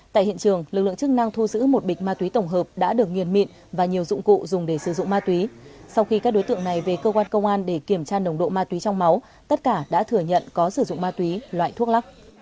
tại hiện trường lực lượng chức năng thu giữ một bịch ma túy tổng hợp đã được nghiền mịn và nhiều dụng cụ dùng để sử dụng ma túy sau khi các đối tượng này về cơ quan công an để kiểm tra nồng độ ma túy trong máu tất cả đã thừa nhận có sử dụng ma túy loại thuốc lắc